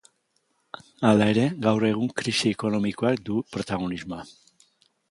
Hala ere, gaur egun krisi ekonomikoak du protagonismoa.